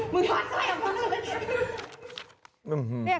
มึงถอดเส้าใหอะวะ